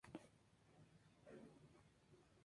Se mantuvo siete años consecutivos en la categoría de plata.